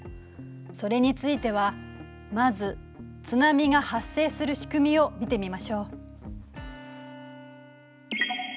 それについてはまず津波が発生するしくみを見てみましょう。